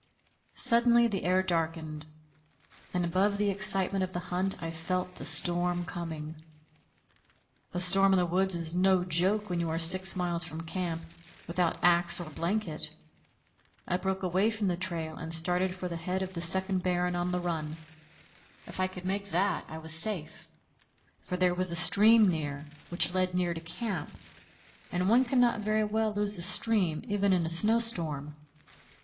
Suddenly the air darkened, and above the excitement of the hunt I felt the storm coming. A storm in the woods is no joke when you are six miles from camp without axe or blanket. I broke away from the trail and started for the head of the second barren on the run. If I could make that, I was safe; for there was a stream near, which led near to camp; and one cannot very well lose a stream, even in a snowstorm.